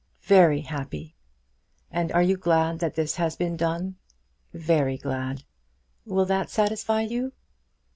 "Very happy." "And are you glad that this has been done?" "Very glad. Will that satisfy you?"